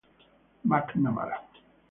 Mark McNamara